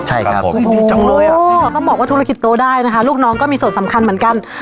ใช่ครับต้องบอกว่าธุรกิจโตได้นะคะลูกน้องก็มีส่วนสำคัญเหมือนกัน